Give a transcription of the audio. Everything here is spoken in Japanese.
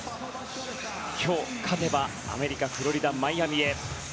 今日勝てば、アメリカフロリダ・マイアミへ。